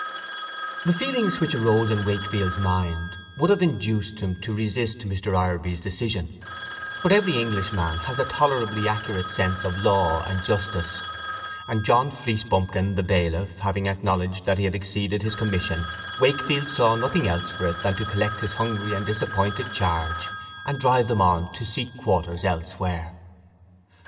The feelings which arose in Wakefield's mind would have induced him to resist Mr. Ireby's decision; but every Englishman has a tolerably accurate sense of law and justice, and John Fleecebumpkin, the bailiff, having acknowledged that he had exceeded his commission, Wakefield saw nothing else for it than to collect his hungry and disappointed charge, and drive them on to seek quarters elsewhere.